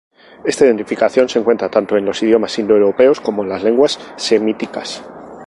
Esta identificación se encuentra tanto en los idiomas indoeuropeos como en las lenguas semíticas.